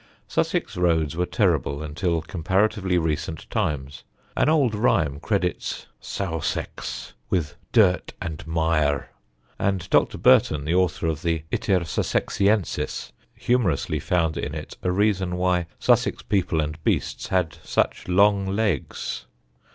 Sussex roads were terrible until comparatively recent times. An old rhyme credits "Sowseks" with "dirt and myre," and Dr. Burton, the author of the Iter Sussexiensis, humorously found in it a reason why Sussex people and beasts had such long legs.